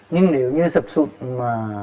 nhưng nếu như dập sụn mà